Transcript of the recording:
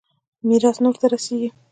ميراث نه ورته رسېږي.